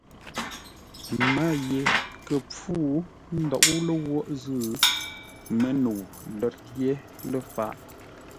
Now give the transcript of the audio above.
Mə́ ye kə̂ mpfú ńdóʼó ləwoʼ zʉ́, Mə́nəu lə̂r yé lə̂ faʼ.